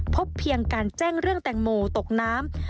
พบเพียงการแจ้งเรื่องแตงโมตกน้ำ